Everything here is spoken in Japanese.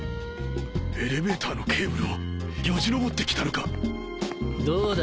エレベーターのケーブルをよじ登って来たのか⁉どうだ？